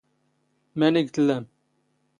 ⵎⴰⵏⵉ ⴳ ⵜⵍⵍⴰⵎⵜ?